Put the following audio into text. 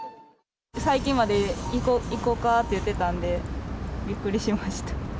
最近まで、行こうかって言ってたんで、びっくりしました。